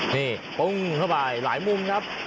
นี่บ้งระบายหลายมุมครับ